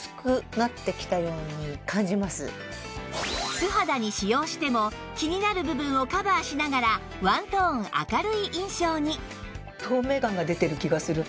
素肌に使用しても気になる部分をカバーしながらワントーン明るい印象に